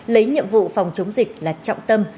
lấy nhiệm vụ phòng chống dịch là trọng tâm